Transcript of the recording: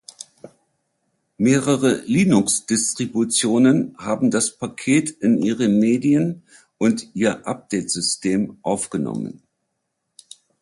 Mehrere Linux-Distributionen haben das Paket in ihre Medien und ihr Update-System aufgenommen.